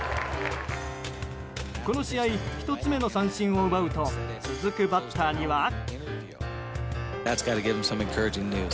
この試合１つ目の三振を奪うと続くバッターには。